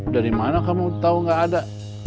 dari mana kamu tahu nggak ada